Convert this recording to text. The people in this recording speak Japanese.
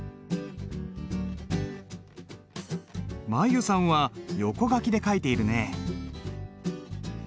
舞悠さんは横書きで書いているね。